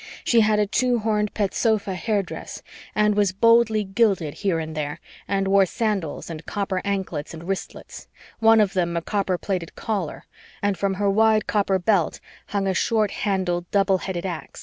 She had a two horned petsofa hairdress and she was boldly gilded here and there and wore sandals and copper anklets and wristlets one of them a copper plated Caller and from her wide copper belt hung a short handled double headed ax.